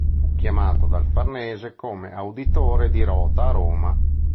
Fu chiamato dal Farnese come Auditore di Rota a Roma.